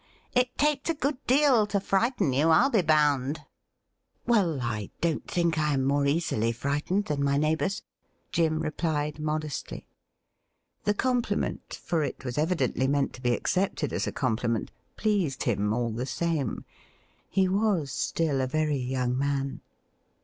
It takes a good deal to frighten you, I'll be bound ?'' Well, I don't think I am more easily frightened than my neighbours,' Jim replied modestly. The compliment — ^for it was evidently meant to be accepted as a compliment — pleased him all the same. He was still a very young man.